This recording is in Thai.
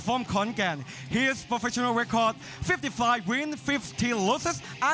ภารกิจภารกิจของเขา๕๕ฝ่ายลูซิส๕๐ฝ่าย